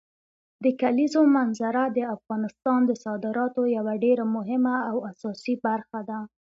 د کلیزو منظره د افغانستان د صادراتو یوه ډېره مهمه او اساسي برخه ده.